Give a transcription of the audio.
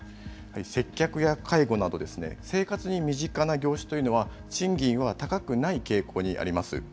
接客や介護など、生活に身近な業種というのは、賃金は高くない傾向にあります。